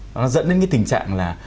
nó dẫn đến cái tình trạng là